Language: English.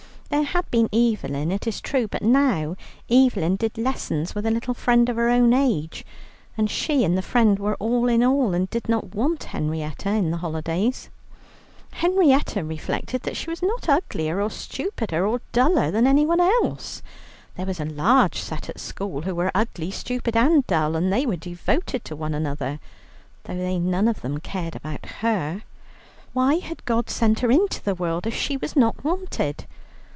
There had been Evelyn, it is true, but now Evelyn did lessons with a little friend of her own age, and she and the friend were all in all, and did not want Henrietta in the holidays. Henrietta reflected that she was not uglier, or stupider, or duller than anyone else. There was a large set at school who were ugly, stupid, and dull, and they were devoted to one another, though they none of them cared about her. Why had God sent her into the world, if she was not wanted?